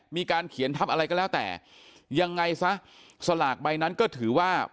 มีการเขียนทัพอะไรก็แล้วแต่ยังไงซะสลากใบนั้นก็ถือว่า